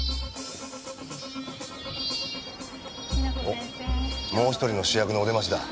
おっもう１人の主役のお出ましだ。